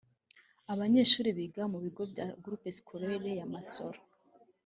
Abanyeshuri biga mu bigo bya Groupe scolaire ya Masoro